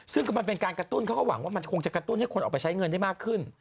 ซึ่งก็มันเป็นการกระตุ้นเขาก็หวังว่ามันคงจะกระตุ้นให้คนออกไปใช้เงินได้มากขึ้น